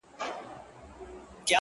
o غواړم چي ديدن د ښكلو وكړمـــه ـ